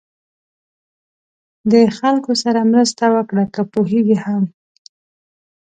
د خلکو سره مرسته وکړه که پوهېږئ هم.